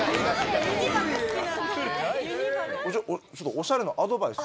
おしゃれのアドバイス。